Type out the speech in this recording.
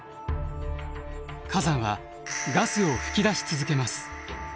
火山はガスを噴き出し続けます。